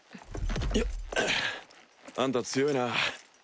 よっあんた強いな。